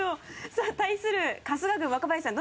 さぁ対する春日軍若林さん